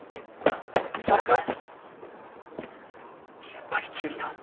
やっぱり君が。